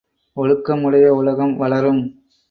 ஒழுக்கமுடைய உலகம் வளரும்!